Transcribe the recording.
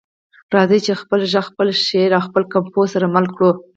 راځئ چې خپل غږ، خپل شعر او خپل کمپوز سره مل کړو.